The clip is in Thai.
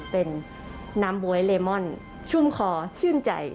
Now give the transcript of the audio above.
เป็นน้ำบ๊วยเลมอนชุ่มคอชื่นใจ